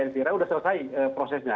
sudah selesai prosesnya